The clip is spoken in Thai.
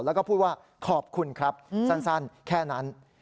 แล้วก็พูดว่าขอบคุณครับสั้นแค่นั้น